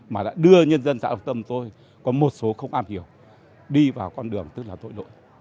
mà đã đưa nhân dân xã lộc tâm tôi có một số không am hiểu đi vào con đường tức là tội lỗi